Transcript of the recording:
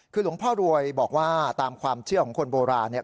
คือหลวงพ่อรวยบอกว่าตามความเชื่อของคนโบราณเนี่ย